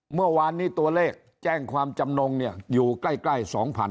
เมื่อวานนี้ตัวเลขแจ้งความจำนงเนี่ยอยู่ใกล้๒๐๐๐